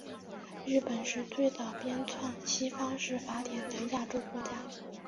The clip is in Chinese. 日本是最早编纂西方式法典的亚洲国家。